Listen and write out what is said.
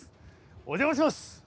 お邪魔します！